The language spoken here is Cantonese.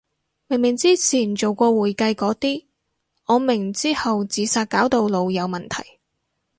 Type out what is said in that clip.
明明之前做過會計個啲，我明之後自殺搞到腦有問題